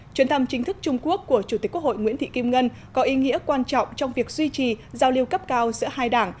chuyến thăm chính thức trung quốc của chủ tịch quốc hội nguyễn thị kim ngân có ý nghĩa quan trọng trong việc duy trì giao lưu cấp cao giữa hai đảng